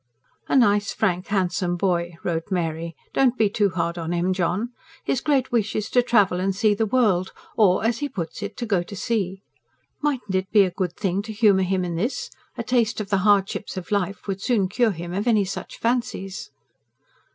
A NICE FRANK HANDSOME BOY, wrote Mary. DON'T BE TOO HARD ON HIM, JOHN. HIS GREAT WISH IS TO TRAVEL AND SEE THE WORLD OR AS HE PUTS IT, TO GO TO SEA. MIGHTN'T IT BE A GOOD THING TO HUMOUR HIM IN THIS? A TASTE OF THE HARDSHIPS OF LIFE WOULD SOON CURE HIM OF ANY SUCH FANCIES.